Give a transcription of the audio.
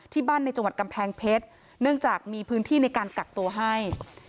ในจังหวัดกำแพงเพชรเนื่องจากมีพื้นที่ในการกักตัวให้